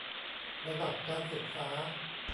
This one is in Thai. ระดับการศึกษา